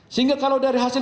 sehingga kalau dari hasil